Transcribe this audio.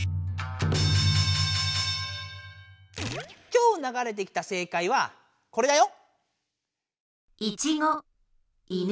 今日ながれてきた正解はこれだよ。